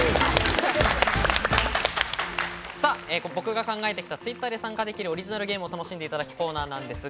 僕が考えてきたＴｗｉｔｔｅｒで参加できる、オリジナルゲームを楽しんでいただくコーナーです。